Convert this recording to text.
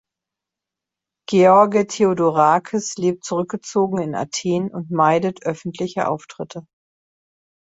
George Theodorakis lebt zurückgezogen in Athen und meidet öffentliche Auftritte.